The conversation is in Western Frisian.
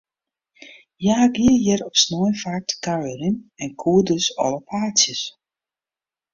Hja gie hjir op snein faak te kuierjen, en koe dus alle paadsjes.